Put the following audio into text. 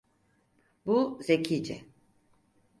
Bu zekice.